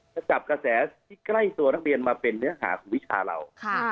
จะจับกระแสที่ใกล้ตัวนักเรียนมาเป็นเนื้อหาของวิชาเรา